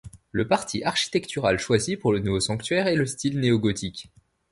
Le parti architectural choisi pour le nouveau sanctuaire est le style néo-gothique.